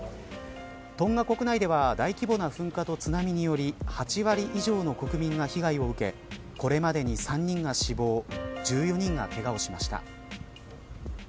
トンガ国内では大規模な噴火と津波により８割以上の国民が被害を受けこれまでに３人が死亡１４人がけがをしました。